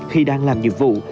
khi đang làm nhiệm vụ